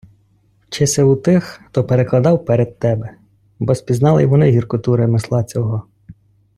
Вчися у тих, хто перекладав перед тебе, бо спізнали й вони гіркоту ремесла цього.